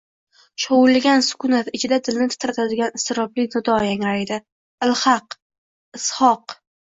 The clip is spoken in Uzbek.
shovullagan sukunat ichida dilni titratadigan iztirobli nido yangraydi: «Ilhaq! Ishoq!..»